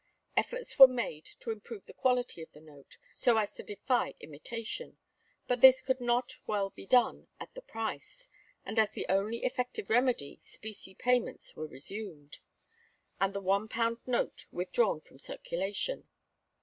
Efforts were made to improve the quality of the note, so as to defy imitation; but this could not well be done at the price, and, as the only effective remedy, specie payments were resumed, and the one pound note withdrawn from circulation.